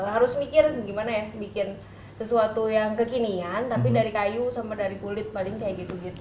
harus mikir gimana ya bikin sesuatu yang kekinian tapi dari kayu sama dari kulit paling kayak gitu gitu